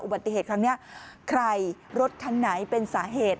อุบัติเหตุครั้งนี้ใครรถคันไหนเป็นสาเหตุ